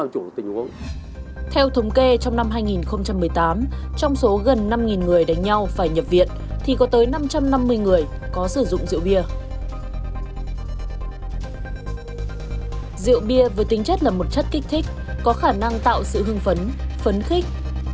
rượu bia với tính chất là một chất kích thích có khả năng tạo sự hưng phấn phấn khích